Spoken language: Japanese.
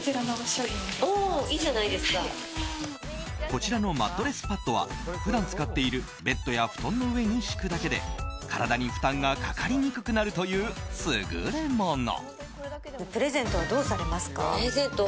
こちらのマットレスパッドは普段使っているベッドや布団の上に敷くだけで体に負担がかかりにくくなるという優れもの。